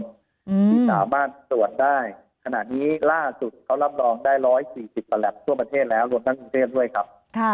ที่สามารถตรวจได้ขณะนี้ล่าสุดเขารับรองได้๑๔๐กว่าแหลปทั่วประเทศแล้วรวมทั้งกรุงเทพด้วยครับ